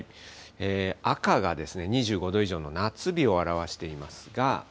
赤が２５度以上の夏日を表していますが。